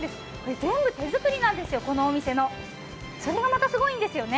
全部手作りなんですよ、このお店の。それがまたすごいんですよね。